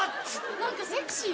何かセクシーよ。